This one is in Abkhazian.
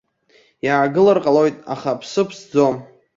Иаагылар ҟалоит, аха аԥсы ԥсӡом.